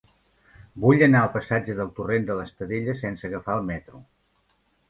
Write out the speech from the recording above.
Vull anar al passatge del Torrent de l'Estadella sense agafar el metro.